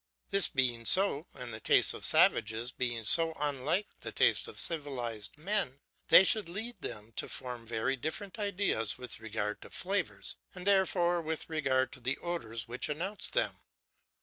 This being so, and the tastes of savages being so unlike the taste of civilised men, they should lead them to form very different ideas with regard to flavours and therefore with regard to the odours which announce them.